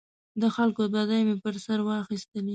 د خلکو بدۍ مې پر سر واخیستلې.